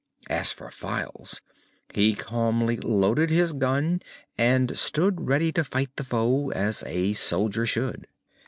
As for Files, he calmly loaded his gun and stood ready to fight the foe, as a soldier should.